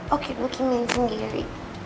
oke gue kini main sendiri